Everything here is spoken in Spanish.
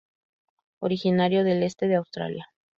Originario del este de Australia.